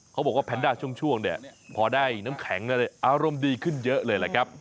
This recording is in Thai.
เขาบอกว่าแพนด้าช่วงเนี่ยพอได้น้ำแข็งอารมณ์ดีขึ้นเยอะเลยแหละครับ